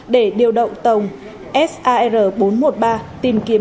để điều động tàu sar bốn trăm một mươi ba tìm kiếm